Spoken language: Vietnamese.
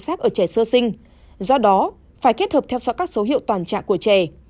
sắc ở trẻ sơ sinh do đó phải kết hợp theo dõi các số hiệu toàn trạng của trẻ